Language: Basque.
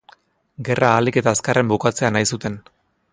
Gerra ahalik eta azkarren bukatzea nahi zuten.